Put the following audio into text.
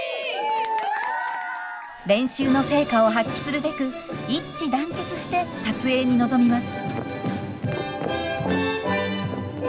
練習の成果を発揮するべく一致団結して撮影に臨みます。